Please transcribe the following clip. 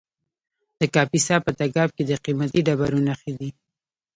د کاپیسا په تګاب کې د قیمتي ډبرو نښې دي.